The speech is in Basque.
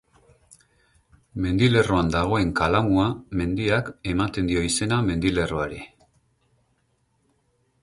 Mendilerroan dagoen Kalamua mendiak ematen dio izena mendilerroari.